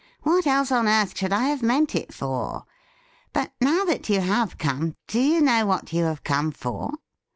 What else on earth should I have meant it for ? But now that you have come, do you know what you have come for